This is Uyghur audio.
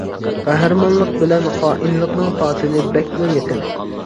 قەھرىمانلىق بىلەن خائىنلىقنىڭ پاسىلى بەكلا يېقىن.